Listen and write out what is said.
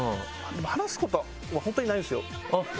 話すことは本当にないんですよ。